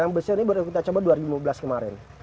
yang besar ini baru kita coba dua ribu lima belas kemarin